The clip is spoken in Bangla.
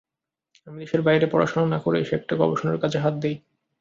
আমি দেশের বাইরে পড়াশোনা করে এসে একটা গবেষণার কাজে হাত দিই।